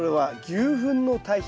牛ふんの堆肥。